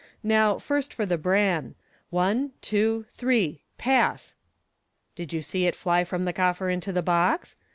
Now, first for the bran. One, two, three ! Pass ! Did you see it fly from the coffer into the box